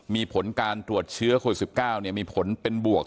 มีผลการตรวจเชื้อโควิด๑๙มีผลเป็นบวก